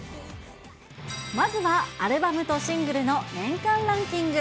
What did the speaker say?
まずはアルバムとシングルの年間ランキング。